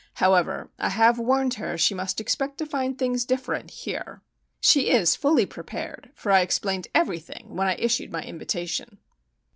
However, I have warned her she must expect to find things different here. She is fully prepared; for I explained everything when I issued my invitation."